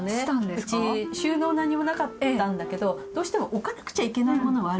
うち収納何にもなかったんだけどどうしても置かなくちゃいけないものはあるわけ。